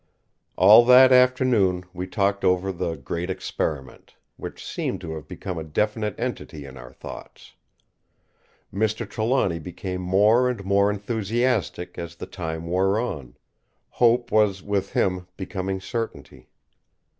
All that afternoon we talked over the Great Experiment, which seemed to have become a definite entity in our thoughts. Mr. Trelawny became more and more enthusiastic as the time wore on; hope was with him becoming certainty.